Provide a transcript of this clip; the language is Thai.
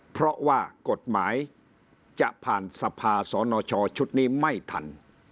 เพราะว่ากฎหมายจะผ่านสภาสนชชุดนี้ไม่ทัน